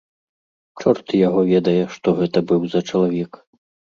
Чорт яго ведае, што гэта быў за чалавек.